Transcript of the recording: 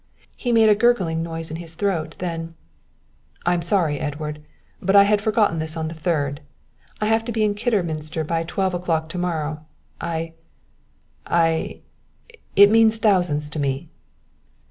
He made a gurgling noise in his throat, then: "I'm sorry, Edward, but I had forgotten this is the 3rd. I have to be in Kidderminster by twelve o'clock to morrow I I it means thousands to me."